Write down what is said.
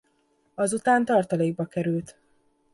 Azután tartalékba került.